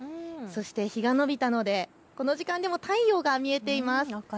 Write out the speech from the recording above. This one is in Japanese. そして日がのびたのでこの時間でも太陽が見えています。